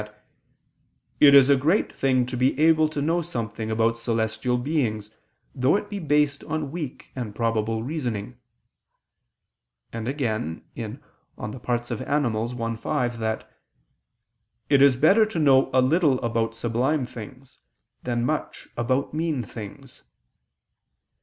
60) that "it is a great thing to be able to know something about celestial beings, though it be based on weak and probable reasoning"; and again (De Part. Animal. i, 5) that "it is better to know a little about sublime things, than much about mean things."